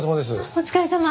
お疲れさま。